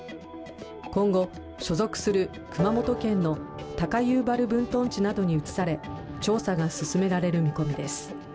今後、所属する熊本県の高遊原分屯地などに移され調査が進められる見込みです。